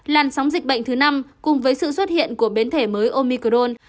làn sóng dịch bệnh thứ năm cùng với sự xuất hiện của biến thể mới omicron